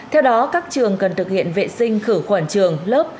theo đó các trường cần thực hiện vệ sinh khử khuẩn trường lớp